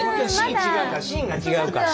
シーン違うから。